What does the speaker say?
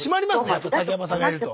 やっぱ竹山さんがいると。